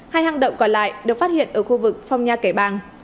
hai hang động còn lại được phát hiện ở khu vực phong nha kẻ bàng